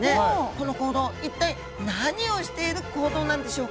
この行動一体何をしている行動なんでしょうか？